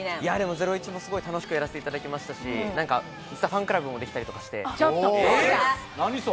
『ゼロイチ』も楽しくやらせていただきましたし、ファンクラブもできたりして。